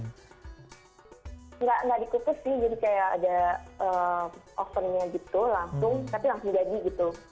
nggak dikukus sih jadi kayak ada ovennya gitu langsung tapi langsung jadi gitu